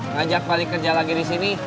ngajak balik kerja lagi disini